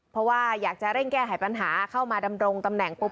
เพราะว่าอยากจะเร่งแก้ไขปัญหาเข้ามาดำรงตำแหน่งปุ๊บ